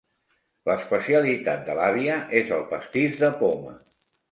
L'especialitat de l'àvia és el pastís de poma.